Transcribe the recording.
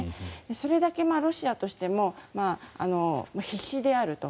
それだけロシアとしても必死であると。